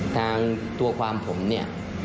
ถ้าความผมเนี่ย